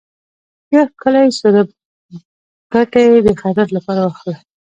ښه ښکلے څورب کټے د خيرات لپاره واخله۔